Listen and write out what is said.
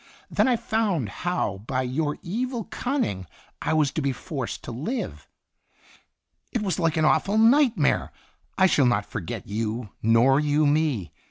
Then I found how by your evil cunning I was to be forced to live. It was like an awful night mare. I shall not forget you, nor you me.